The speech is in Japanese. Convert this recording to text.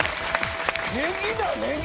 ネギだネギ！